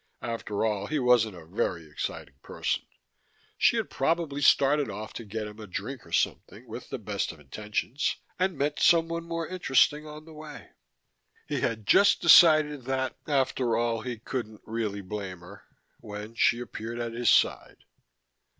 After all, he wasn't a very exciting person: she had probably started off to get him a drink or something, with the best of intentions, and met someone more interesting on the way. He had just decided that, after all, he couldn't really blame her, when she appeared at his side.